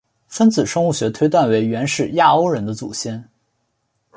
分子生物学推断为原始亚欧人的祖先。